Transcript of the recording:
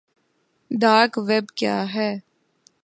dark web کیا ہے